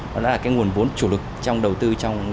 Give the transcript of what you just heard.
nó là cái nguồn vốn chủ lực trong đầu tư